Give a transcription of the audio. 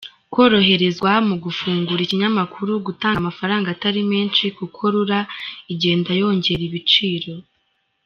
Koroherezwa mu gufungura ikinyamakuru ,gutanga amafaranga atari menshi kuko Rura igenda yongera ibiciro.